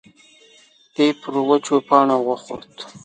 دی پر وچو پاڼو وخوت.